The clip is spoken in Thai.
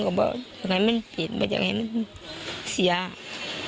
เขาก็บอกอยากให้มันปิดของก็บอกอยากให้มันปิดอยากให้มันเสีย